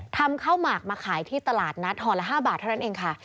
ทำข้าวหมากมาขายที่ตลาดนัดห่อละ๕บาทเท่านั้นเองค่ะ